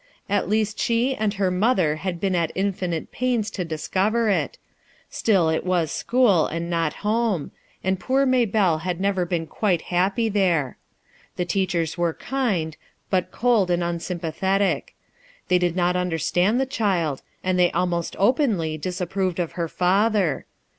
At least she, and her mother, had been at infinite pains to discover it ; still, it was school, and not home, and poor Maybelle had never been quite happy there. The teachers were kind, but cold and unsympathetic. They did not understand the child, and they almost openly disapproved of her father.